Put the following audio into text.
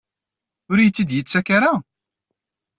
Ur iyi-tt-id-yettak ara?